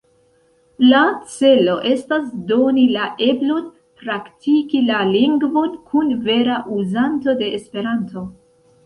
La celo estas doni la eblon praktiki la lingvon kun vera uzanto de Esperanto.